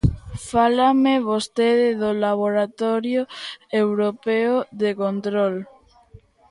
Fálame vostede do Laboratorio europeo de control.